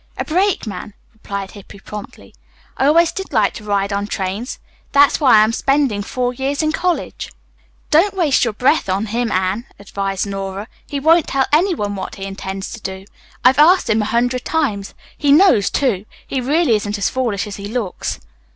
"A brakeman," replied Hippy promptly. "I always did like to ride on trains. That's why I am spending four years in college." "Don't waste your breath on him, Anne," advised Nora. "He won't tell any one what he intends to do. I've asked him a hundred times. He knows, too. He really isn't as foolish as he looks."